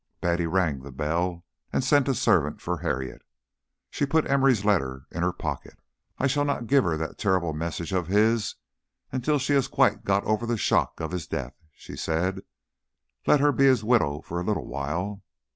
Betty rang the bell, and sent a servant for Harriet. She put Emory's letter in her pocket. "I shall not give her that terrible message of his until she quite has got over the shock of his death," she said. "Let her be his widow for a little while.